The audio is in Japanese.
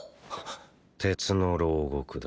鉄の牢獄だ。